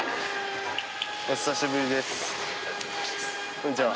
こんにちは。